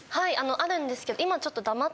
あるんですけど。